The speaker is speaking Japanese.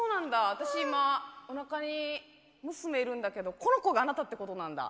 私今おなかに娘いるんだけどこの子があなたってことなんだ。